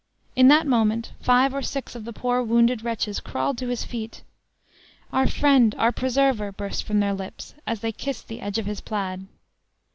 In that moment, five or six of the poor wounded wretches crawled to his feet. "Our friend! our preserver!" burst from their lips, as they kissed the edge of his plaid.